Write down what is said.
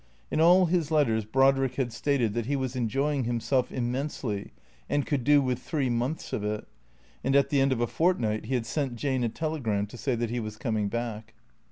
In all his letters Brodrick had stated that he was enjoying him self immensely and could do with three months of it ; and at the end of a fortnight he had sent Jane a telegram to say that he was coming back.